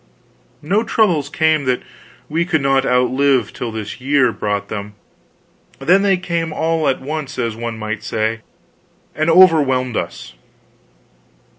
No troubles came that we could not outlive, till this year brought them; then came they all at once, as one might say, and overwhelmed us.